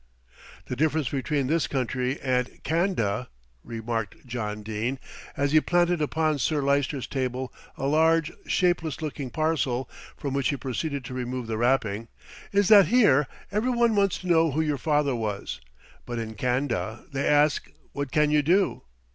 "The difference between this country and Can'da," remarked John Dene, as he planted upon Sir Lyster's table a large, shapeless looking parcel, from which he proceeded to remove the wrapping, "is that here every one wants to know who your father was; but in Can'da they ask what can you do.